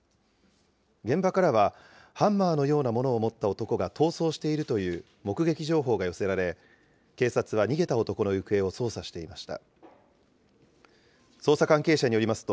現場からはハンマーのようなものを持った男が逃走しているという目撃情報が寄せられ、警察は逃げた男の行方を捜査していました。